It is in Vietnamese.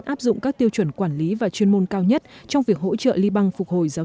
áp dụng các tiêu chuẩn quản lý và chuyên môn cao nhất trong việc hỗ trợ liban phục hồi giáo